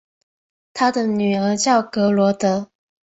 他的女儿叫格萝德。